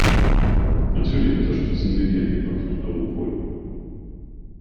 Natürlich unterstützen wir die Entwicklung von Europol.